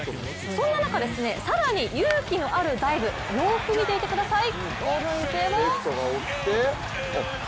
そんな中、更に勇気のあるダイブ、よく見ててください。